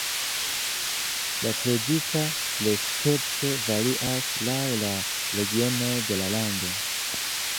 La preciza recepto varias laŭ la regionoj de la lando.